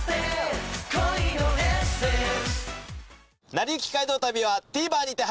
『なりゆき街道旅』はＴＶｅｒにて配信中です。